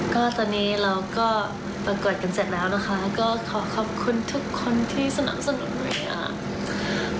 ก็ตอนนี้เราก็ประกวดกันเสร็จแล้วนะคะก็ขอขอบคุณทุกคนที่สนับสนุนเลยค่ะ